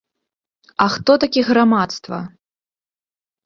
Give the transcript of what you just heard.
А хто такі грамадства?